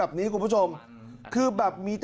อาทิตย์๒๕อาทิตย์